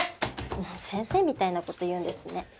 もう先生みたいなこと言うんですね。